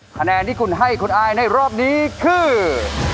คะแนนที่คุณให้คุณอายในรอบนี้คือ